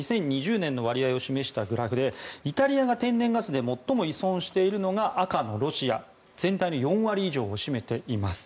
２０２０年の割合を示したグラフでイタリアが天然ガスで最も依存しているのが赤のロシア全体の４割以上を占めています。